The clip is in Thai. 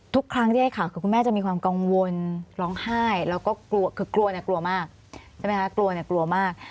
ทุกครั้งที่ให้ข่าวคือคุณแม่จะมีความกังวลร้องไห้แล้วก็กลัวคือกลัวเนี่ยกลัวมากใช่ไหมคะกลัวเนี่ยกลัวมาก